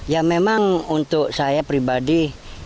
ya memang untuk saya pribadi